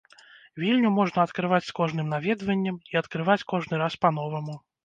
Вільню можна адкрываць з кожным наведваннем і адкрываць кожны раз па-новаму.